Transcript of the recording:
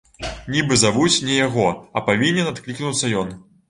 Нібы завуць не яго, а павінен адклікнуцца ён.